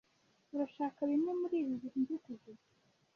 urashaka bimwe muri ibi mbiguhe